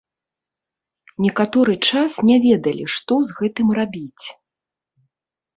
Некаторы час не ведалі, што з гэтым рабіць.